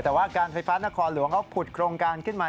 แต่ว่าการไฟฟ้านครหลวงเขาขุดโครงการขึ้นมา